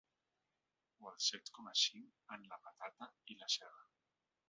O al set coma cinc en la patata i la ceba.